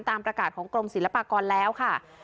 ตามประกาศของกรมศิลปากรแล้วค่ะ